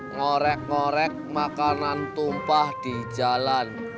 ngorek ngorek makanan tumpah di jalan